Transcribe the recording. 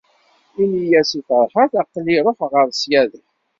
Ini-as i Feṛḥat aql-i ruḥeɣ ar ṣṣyada.